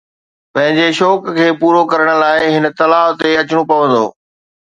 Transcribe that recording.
پنهنجي شوق کي پورو ڪرڻ لاءِ هن تلاءَ تي اچڻو پوندو